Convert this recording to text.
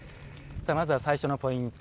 まずは最初のポイント。